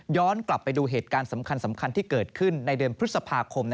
กลับไปดูเหตุการณ์สำคัญที่เกิดขึ้นในเดือนพฤษภาคม